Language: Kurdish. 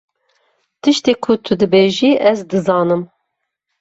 Tiştê ku tu dibêjî ez dizanim.